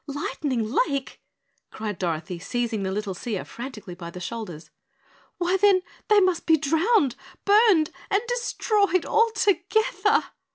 "Lightning Lake?" cried Dorothy, seizing the little seer frantically by the shoulders. "Why, then, they must be drowned, burned and destroyed altogether!"